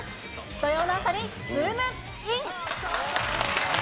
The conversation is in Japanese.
土曜の朝にズームイン！！